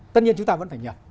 tất nhiên chúng ta vẫn phải nhập